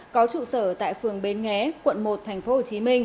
có trụ sở tại phường bến nghé quận một tp hcm